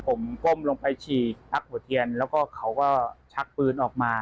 ผมก้มลงไปฉีกชักหัวเทียนแล้วก็เขาก็ชักปืนออกมา